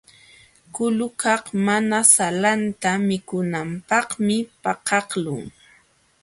Kulukaq mana salanta mikunanpaqmi pakaqlun.